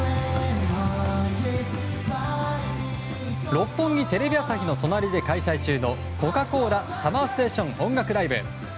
六本木テレビ朝日の隣で開催中の「コカ・コーラＳＵＭＭＥＲＳＴＡＴＩＯＮ音楽ＬＩＶＥ」。